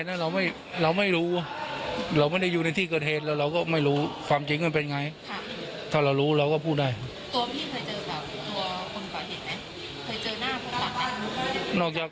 ตัวพี่เคยเจอแบบตัวคนก่อเหตุไหมเคยเจอหน้าผู้หลักไหน